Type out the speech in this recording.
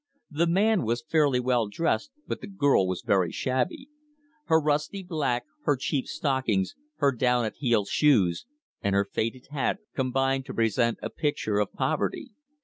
The man was fairly well dressed, but the girl was very shabby. Her rusty black, her cheap stockings, her down at heel shoes, and her faded hat combined to present a picture of poverty.